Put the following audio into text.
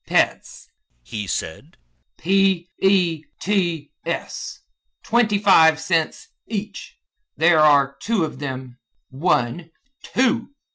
"Pets," he said "P e t s! Twenty five cents each. There are two of them. One! Two!